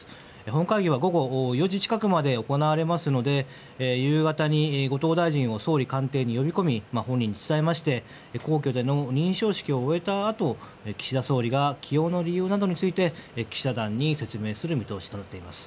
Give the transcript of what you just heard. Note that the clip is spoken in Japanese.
本会議は午後４時近くまで行われますので夕方に後藤大臣を総理官邸に呼び込み本人に伝えまして皇居での認証式を終えたあと岸田総理が起用の理由などについて記者団に説明する見通しとなっています。